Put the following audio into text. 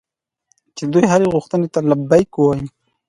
چې د دوی هرې غوښتنې ته لبیک ووایي.